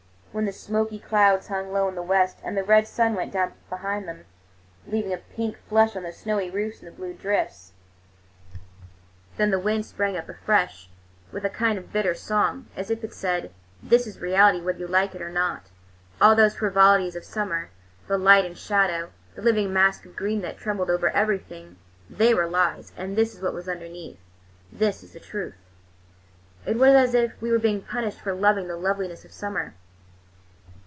When the smoky clouds hung low in the west and the red sun went down behind them, leaving a pink flush on the snowy roofs and the blue drifts, then the wind sprang up afresh, with a kind of bitter song, as if it said: "This is reality, whether you like it or not. All those frivolities of summer, the light and shadow, the living mask of green that trembled over everything, they were lies, and this is what was underneath. This is the truth." It was as if we were being punished for loving the loveliness of summer.